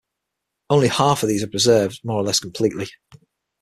Only half of these are preserved more or less completely.